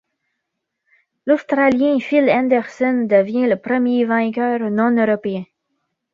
L'Australien Phil Anderson devient le premier vainqueur non-européen.